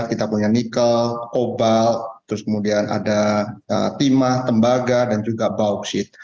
kita punya nikel kobal terus kemudian ada timah tembaga dan juga bauksit